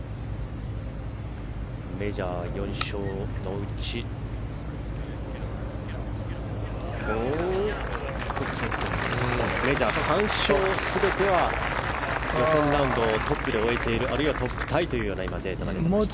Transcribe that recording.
メジャー４勝のうちメジャー３勝全ては予選ラウンドをトップで終えているあるいはトップタイというようなデータが出てきました。